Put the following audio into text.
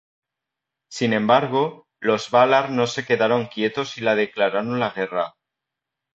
Sin embargo, Los Valar no se quedaron quietos y le declararon la guerra.